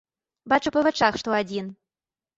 Бачу па вачах, што адзін!